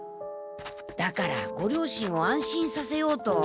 だからご両親を安心させようと。